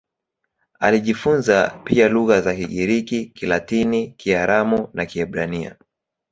Alijifunza pia lugha za Kigiriki, Kilatini, Kiaramu na Kiebrania.